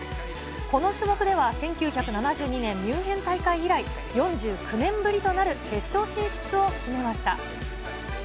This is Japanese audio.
この種目では、１９７２年ミュンヘン大会以来、４９年ぶりとなる決勝進出を決めました。